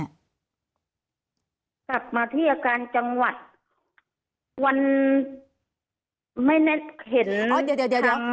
กลับมาที่อาการจังหวัดวันไม่แน่เห็นอ๋อเดี๋ยวเดี๋ยวเดี๋ยวเดี๋ยว